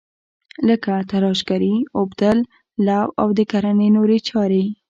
لکه تراشکاري، اوبدل، لو او د کرنې نورې چارې.